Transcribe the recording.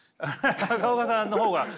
中岡さんの方が。